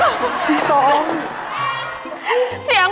เออหึเสียง